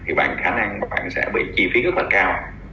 thì khả năng bạn sẽ bị chi phí rất là cao